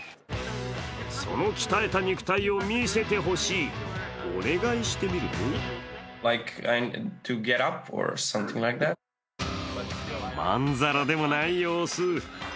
その鍛えた肉体を見せてほしい、お願いしてみるとまんざらでもない様子。